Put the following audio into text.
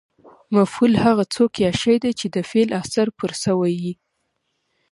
مفعول هغه څوک یا شی دئ، چي د فعل اثر پر سوی يي.